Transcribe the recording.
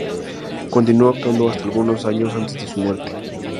Continuó actuando hasta algunos años antes de su muerte.